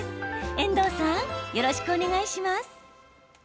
遠藤さん、よろしくお願いします。